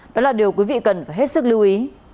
đó là điều quý vị cần phải hết sức lưu ý